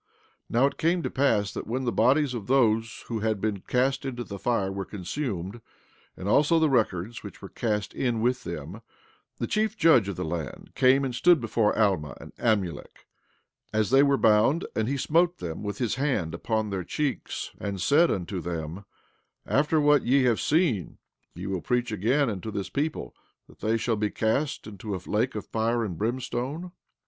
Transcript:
14:14 Now it came to pass that when the bodies of those who had been cast into the fire were consumed, and also the records which were cast in with them, the chief judge of the land came and stood before Alma and Amulek, as they were bound; and he smote them with his hand upon their cheeks, and said unto them: After what ye have seen, will ye preach again unto this people, that they shall be cast into a lake of fire and brimstone?